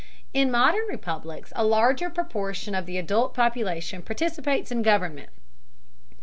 In modern republics a larger proportion of the adult population participates in government.